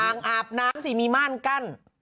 งอาบน้ำสิมีม่านกั้น